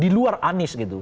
di luar anis gitu